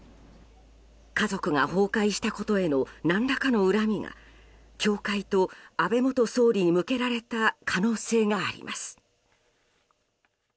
家族が崩壊したことへの何らかの恨みが教会と安倍元総理に向けられた可能性があります。